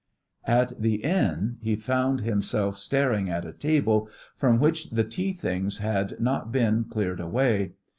At the inn he found himself staring at a table from which the tea things had not been cleared away.